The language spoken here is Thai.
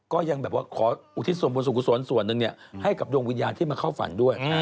ก็ยังแบบว่าขออุทิศวงศ์บนสุขสวรรค์ส่วนนึงเนี่ยให้กับดวงวิญญาณที่มาเข้าฝันด้วย